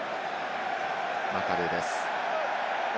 マカルーです。